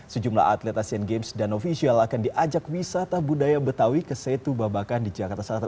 sejumlah atlet asian games dan ofisial akan diajak wisata budaya betawi ke setu babakan di jakarta selatan